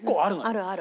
あるある。